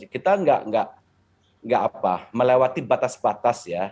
kita nggak melewati batas batas ya